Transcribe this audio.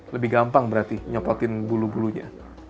lebih gampang berarti nyopotin bulu bulunya